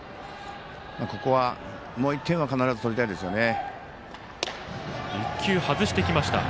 ここはもう１点は必ず取りたいですね。